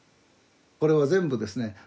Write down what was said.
これは全部ですね